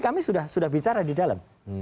kami sudah bicara di dalam